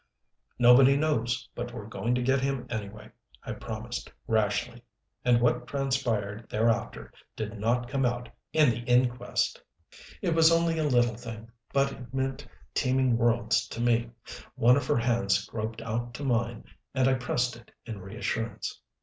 "Nobody knows but we're going to get him, anyway," I promised rashly. And what transpired thereafter did not come out in the inquest. It was only a little thing, but it meant teeming worlds to me. One of her hands groped out to mine, and I pressed it in reassurance.